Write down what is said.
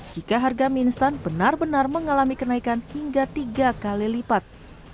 jika harga mie instan benar benar mengalami kenaikan hingga tiga kali lipat